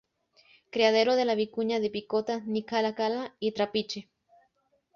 Criadero de la vicuña de Picota ni Cala Cala y Trapiche.